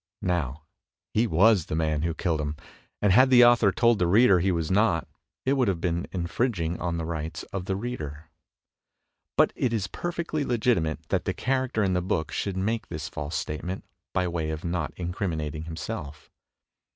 Now, he was the man who killed him, and had the author told the reader he was not, it would have been infringing on the rights of the reader. But it is perfectly legitimate that the character in the book should make this false statement, by way of not incriminating himself.